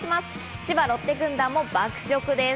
千葉ロッテ軍団も爆食です。